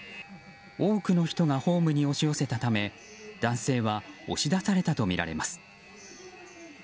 多くの人がホームに押し寄せたため男性は押し出されたとみられます。